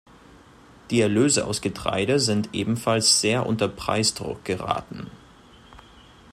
Die Erlöse aus Getreide sind ebenfalls sehr unter Preisdruck geraten.